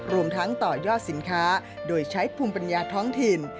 รวมทั้งต่อยอดสินค้าโดยใช้ภูมิปัญญาท้องถิ่น